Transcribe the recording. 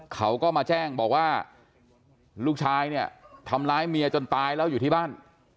เขาก็มาแจ้งบอกว่าลูกชายเนี่ยทำร้ายเมียจนตายแล้วอยู่ที่บ้าน